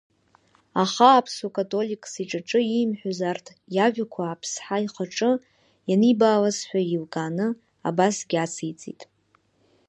Аха Аԥсуа католикос иҿаҿы иимҳәаз арҭ иажәақәа Аԥсҳа ихаҿы ианибаалазшәа еилкааны, абасгьы ациҵеит…